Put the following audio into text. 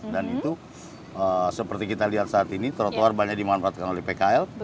dan itu seperti kita lihat saat ini trotoar banyak dimanfaatkan oleh pkl